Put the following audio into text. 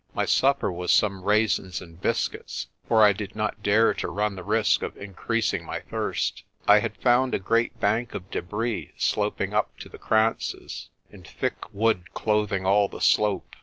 My supper was some raisins and biscuits, for I did not dare to run the risk of increasing my thirst. I had found a great bank of debris sloping up to the kranzes, and thick wood clothing all the slope.